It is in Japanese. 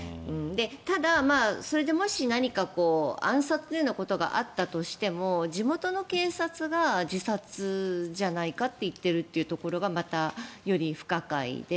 ただ、それでもし何か暗殺ということがあったとしても地元の警察が自殺じゃないかって言っているというところがまた、より不可解で。